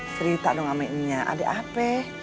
cerita dong sama ininya ada apa